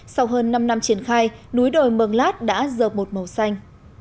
sau hơn năm năm triển khai núi đồi mường lát đã dợp một màu xanh